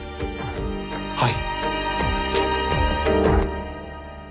はい。